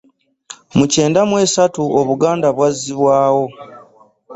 Mu kyenda mu esatu Obuganda bwazzibwawo.